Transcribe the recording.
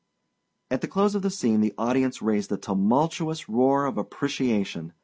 At the close of the scene the audience raised a tumultuous roar of appreciation.